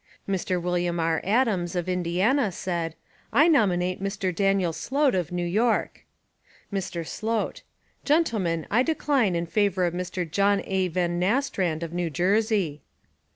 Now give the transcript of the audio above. Mr. Wm. R. Adams, of Indiana, said, "I nominate Mr. Daniel Slote, of New York." Mr. Slote: "Gentlemen, I decline in favour of Mr. John A. Van Nastrand, of New Jersey."